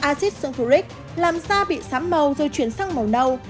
axit xương phú rích làm da bị sám màu rồi chuyển sang màu nâu